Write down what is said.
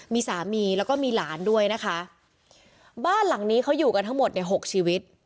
มีสามีแล้วก็มีหลานด้วยนะคะบ้านหลังนี้เขาอยู่กันทั้งหมดเนี่ยหกชีวิต